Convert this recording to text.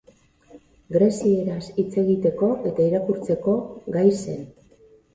Grezieraz hitz egiteko eta irakurtzeko gai zen.